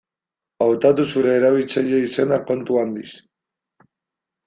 Hautatu zure erabiltzaile-izena kontu handiz.